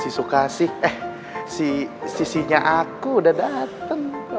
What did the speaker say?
si sukasih eh si si nya aku udah datang